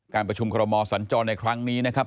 การประชุมคอรมอสัญจรในครั้งนี้นะครับ